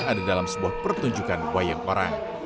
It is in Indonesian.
ada dalam sebuah pertunjukan wayang orang